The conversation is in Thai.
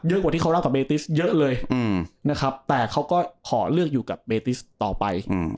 กว่าที่เขารักกับเบติสเยอะเลยนะครับแต่เขาก็ขอเลือกอยู่กับเบติสต่อไป